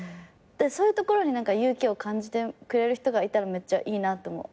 そういうところに何か勇気を感じてくれる人がいたらめっちゃいいなって思う。